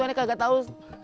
ani kagak tau